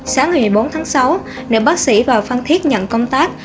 sáng ngày một mươi bốn tháng sáu nữ bác sĩ vào phan thiết nhận công tác